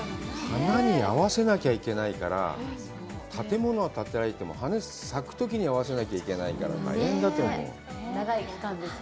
花に合わせなきゃいけないから、建物は建てられても、花が咲くときに合わせないといけないから、大変だと思います。